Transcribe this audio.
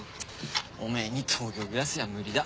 おめえに東京暮らしは無理だ。